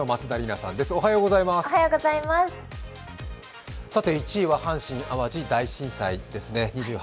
さて１位は阪神淡路大震災ですね。